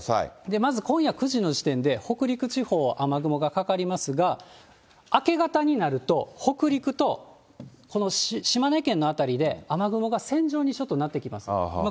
まず今夜９時の時点で、北陸地方、雨雲がかかりますが、明け方になると、北陸と、この島根県の辺りで、雨雲が線状にちょっとなってきます。